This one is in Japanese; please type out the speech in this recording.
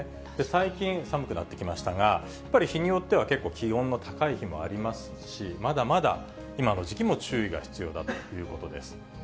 最近、寒くなってきましたが、やっぱり日によっては結構気温の高い日もありますし、まだまだ今の時期も注意が必要だということです。